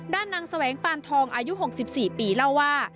นางแสวงปานทองอายุ๖๔ปีเล่าว่า